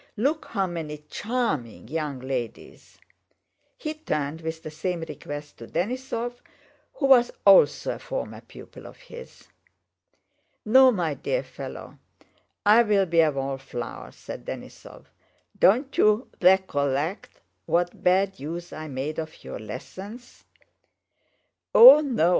"Look how many charming young ladies—" He turned with the same request to Denísov who was also a former pupil of his. "No, my dear fellow, I'll be a wallflower," said Denísov. "Don't you wecollect what bad use I made of your lessons?" "Oh no!"